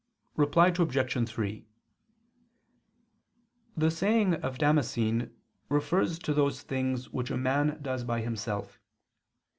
Reply Obj. 3: The saying of Damascene refers to those things which a man does by himself.